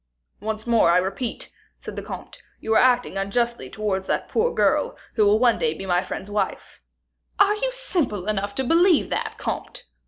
"Once more, I repeat," said the comte, "you are acting unjustly towards that poor girl, who will one day be my friend's wife." "Are you simple enough to believe that, comte?"